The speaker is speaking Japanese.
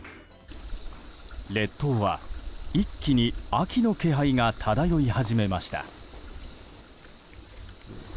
列島は一気に秋の気配が漂い始めました。